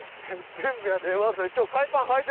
全部やって。